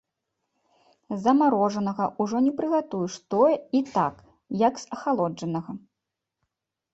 З замарожанага ўжо не прыгатуеш тое і так, як з ахалоджанага.